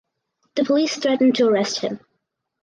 The police threatened to arrest him.